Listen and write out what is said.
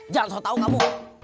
jangan sok tau kamu